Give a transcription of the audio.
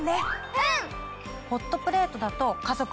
うん！